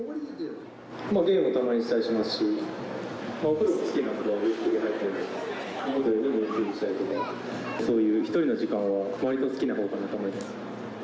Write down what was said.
ゲームをたまにしたりしますし、お風呂も好きなんで、ゆっくり入ったりとか、ホテルでゆっくりしたりとか、そういう１人の時間はわりと好きなほうかなと思います。